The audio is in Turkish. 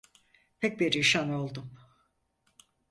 Pek perişan oldum…